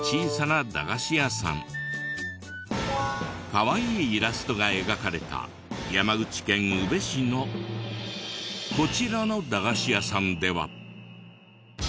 かわいいイラストが描かれた山口県宇部市のこちらの駄菓子屋さんでは。